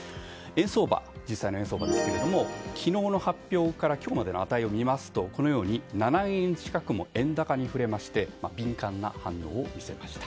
実際の円相場ですが昨日の発表から今日までの値を見ますとこのように７円近くも円高に振れまして敏感な反応を見せました。